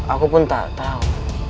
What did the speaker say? aku pun tak tahu